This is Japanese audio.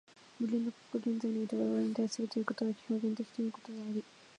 無限の過去が現在において我々に対するということは表現的ということであり、